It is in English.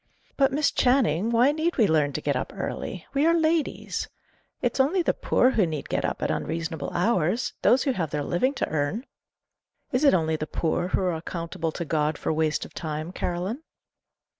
"But, Miss Channing, why need we learn to get up early? We are ladies. It's only the poor who need get up at unreasonable hours those who have their living to earn." "Is it only the poor who are accountable to God for waste of time, Caroline?"